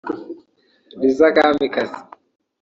Liza Kamikazi